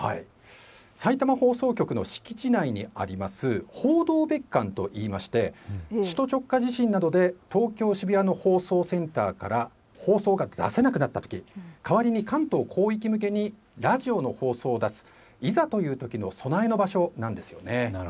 さいたま放送局の敷地内にあります放送別館といいまして首都直下地震などで東京渋谷の放送センターから放送が出せなくなったときに代わりに関東広域向けにラジオの放送を出すいざという備えの場所なんです。